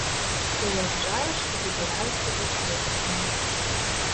Прыязджаеш і выбіраеш сабе калекцыю.